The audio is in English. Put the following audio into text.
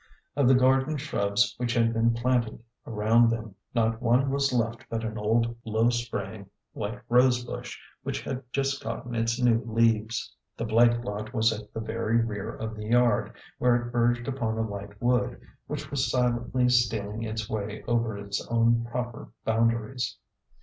Of the garden shrubs which had been planted about them not one was left but an old low spraying white rose bush, which had just gotten its new leaves. The Blake lot was at the very rear of the yard, where it verged upon a light wood, which was silently steal ing its way over its own proper boundaries.